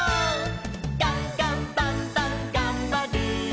「ガンガンバンバンがんばる！」